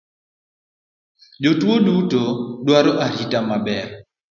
Jotuo duto dwaro arita maber